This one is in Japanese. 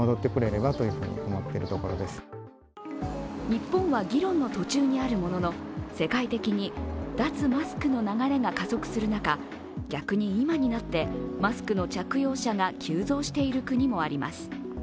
日本は議論の途中にあるものの世界的に脱マスクの流れが加速する中逆に今になって、マスクの着用者が急増している国もあります。